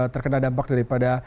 terkena dampak daripada